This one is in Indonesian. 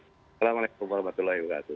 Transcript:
assalamualaikum warahmatullahi wabarakatuh